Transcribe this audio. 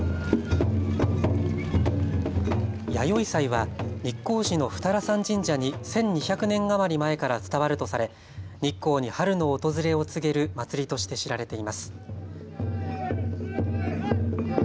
弥生祭は日光市の二荒山神社に１２００年余り前から伝わるとされ、日光に春の訪れを告げる祭りとして知られています。